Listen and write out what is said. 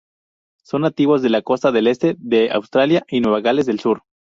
Son nativos de la costa del este de Australia y Nueva Gales del Sur.